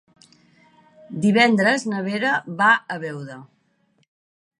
Divendres na Vera va a Beuda.